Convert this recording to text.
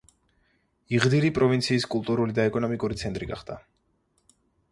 იღდირი პროვინციის კულტურული და ეკონომიური ცენტი გახდა.